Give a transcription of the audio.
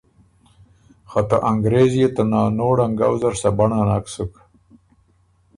خه ته انګرېز يې ته نانو ړنګؤ زر سَبَنړه نک سُک